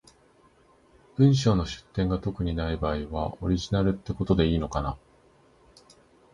文章の出典が特にない場合は、オリジナルってことでいいのかな？